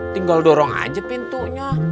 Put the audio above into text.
tinggal dorong aja pintunya